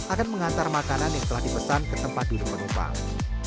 akan mengantar makanan yang telah dipesan ke tempat duduk penumpang